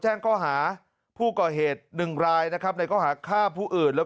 แจ้งข้อหาผู้ก่อเหตุหนึ่งรายนะครับในข้อหาฆ่าผู้อื่นแล้ว